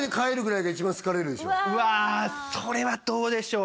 うわーそれはどうでしょう？